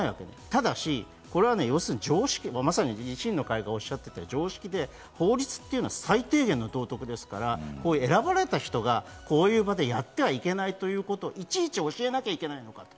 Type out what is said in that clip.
ただし常識、維新の会がおっしゃっていた常識で道徳ですから、選ばれた人がこういう場でやってはいけないという事をいちいち教えなきゃいけないのかと。